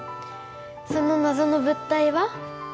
その謎の物体は？